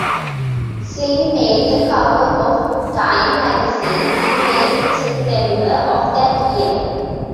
Slim made the cover of "Time" magazine in late September of that year.